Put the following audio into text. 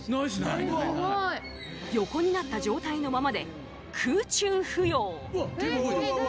横になった状態のままで空中浮揚。